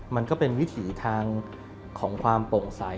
มันก็เป็นวิถีทางของความโปร่งใส